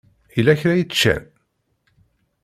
Yella kra i ččan?